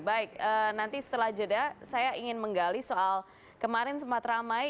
baik nanti setelah jeda saya ingin menggali soal kemarin sempat ramai